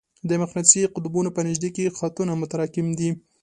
د مقناطیسي قطبونو په نژدې کې خطونه متراکم دي.